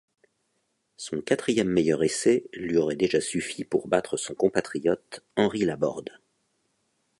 Son quatrième meilleur essai lui aurait déjà suffi pour battre son compatriote Henri LaBorde.